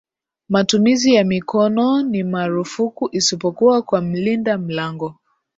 Matumizi ya mikono ni marufuku isipokuwa kwa mlinda mlango